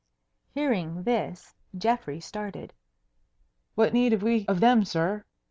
Hearing this Geoffrey started. "What need have we of them, sir?"